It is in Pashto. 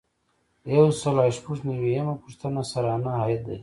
یو سل او شپږ نوي یمه پوښتنه سرانه عاید دی.